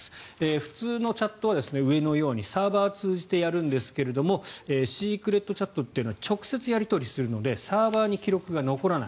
普通のチャットは、上のようにサーバーを通じてやるんですがシークレットチャットっていうのは直接やり取りするのでサーバーに記録が残らない。